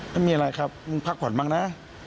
ไม่มีอะไรครับมึงพักผ่อนบ้างนะ